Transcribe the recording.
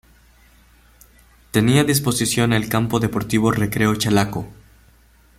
Tenía a disposición el campo deportivo Recreo Chalaco.